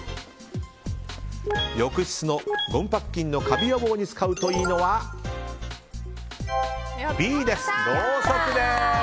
浴室のゴムパッキンのカビ予防に使うといいのはＢです、ろうそくです。